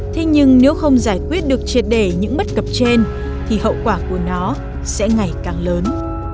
thế nhưng nếu không giải quyết được triệt đề những bất cập trên thì hậu quả của nó sẽ ngày càng lớn